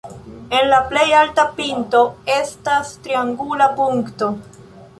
En la plej alta pinto estas triangula punkto.